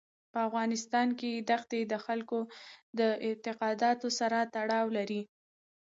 په افغانستان کې ښتې د خلکو د اعتقاداتو سره تړاو لري.